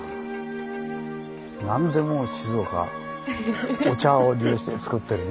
何でも静岡お茶を利用してつくってるね。